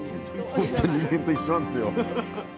ほんと人間と一緒なんですよ。